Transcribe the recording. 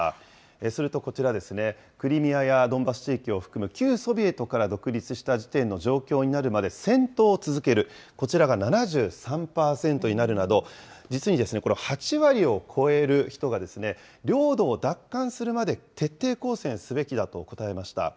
するとこちらですね、クリミアやドンバス地域を含む旧ソビエトから独立した時点の状況になるまで戦闘を続ける、こちらが７３％になるなど、実に８割を超える人が、領土を奪還するまで徹底抗戦すべきだと答えました。